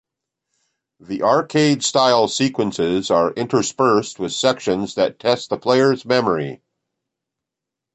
The arcade-style sequences are interspersed with sections that test the player's memory.